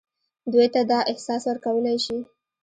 دوی ته دا احساس ورکولای شي.